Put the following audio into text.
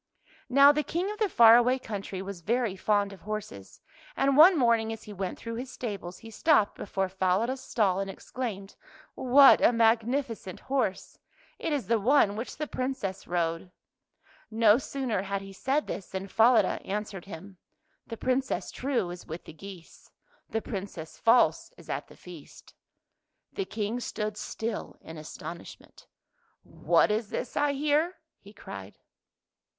Now the King of the far away countiy was very fond of horses, and one morning as he went through his stables he stopped before Falada's stall and exclaimed, " What a magnificent horse! It is the one which the Princess rode." [ 180 ] THE GOOSE GIRL No sooner had he said this than Falada answered him, " The Princess true is with the geese, The Princess false is at the feast." The King stood still in astonishment. " What is this I hear? " he cried.